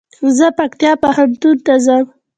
زه پکتيا پوهنتون ته ځم